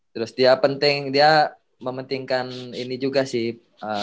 terus dia penting dia mementingkan ini juga sih